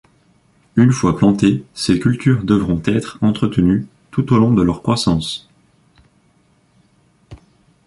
Une fois plantées, ces cultures devront être entretenues tout au long de leur croissance.